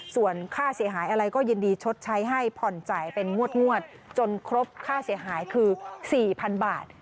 ส่วนค่าเสียหายอะไรก็ยินดีชดใช้ให้ผ่อนจ่ายเป็นงวดจนครบค่าเสียหายคือ๔๐๐๐บาท